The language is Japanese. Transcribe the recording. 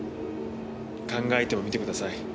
考えてもみてください。